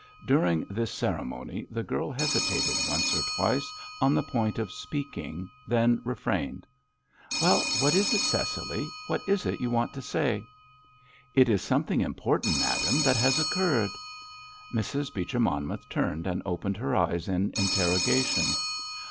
During this ceremony the girl hesitated once or twice on the point of speaking, then refrained. "Well, what is it, Cecily? What is it you want to say?" "It is something important, madame, that has occurred." Mrs. Beecher Monmouth turned and opened her eyes in interrogation.